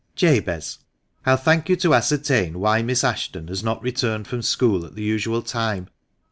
"Jabez, I'll thank you to ascertain why Miss Ashton has not returned from school at the usual time.